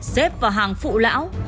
xếp vào hàng phụ lão